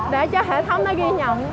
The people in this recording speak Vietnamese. để cho hệ thống nó ghi nhận